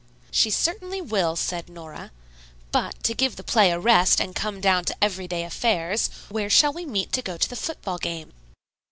"She certainly will," said Nora. "But, to give the play a rest and come down to everyday affairs, where shall we meet to go to the football game?"